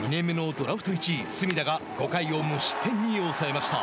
ドラフト１位隅田が５回を無失点に抑えました。